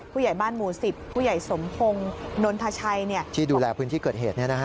ผู้ใหญ่บ้านหมู่สิบผู้ใหญ่สมพงนนทชัยเนี้ยที่ดูแลพื้นที่เกิดเหตุเนี้ยนะฮะ